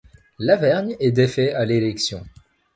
Lavergne est défait à l'élection.